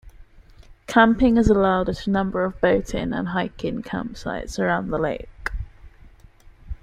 Camping is allowed at a number of boat-in and hike-in campsites around the lake.